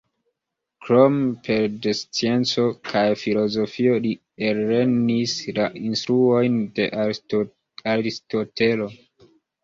Krome, pere de scienco kaj filozofio li ellernis la instruojn de Aristotelo.